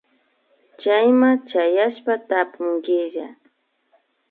Chayman chayashpa tapunkilla